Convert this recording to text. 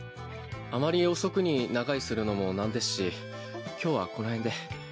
あまり遅くに長居するのもなんですし今日はこのへんで。